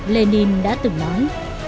lenin đã từng nói